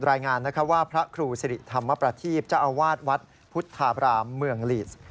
รายงานว่าพระครูสิริธรรมประทีพเจ้าอาวาสวัดพุทธาบรามเมืองลีส